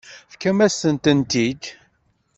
Tefkamt-asent-tent-id.